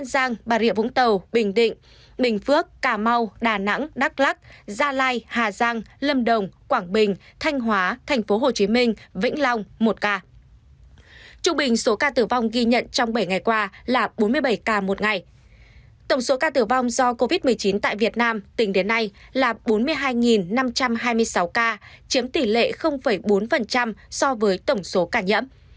trung bình số ca nhiễm mới trong nước ghi nhận trong bảy ngày qua là tám mươi sáu năm trăm sáu mươi một ca một ngày